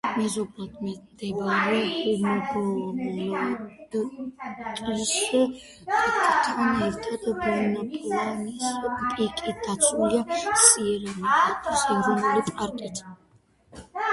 მეზობლად მდებარე ჰუმბოლდტის პიკთან ერთად ბონპლანის პიკი დაცულია სიერა-ნევადის ეროვნული პარკით.